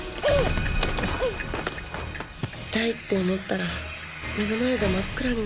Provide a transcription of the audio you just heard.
痛いって思ったら目の前が真っ暗になって。